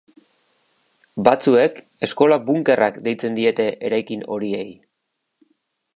Batzuek eskola-bunkerrak deitzen diete eraikin horiei.